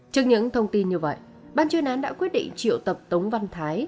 trước những thông tin như vậy ban chuyên án đã quyết định triệu tập tống văn thái